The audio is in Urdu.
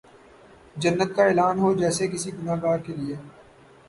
جنت کا اعلان ہو جیسے کسی گناہ گار کیلئے